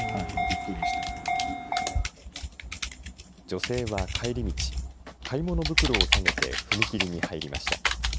女性は帰り道、買い物袋を提げて踏切に入りました。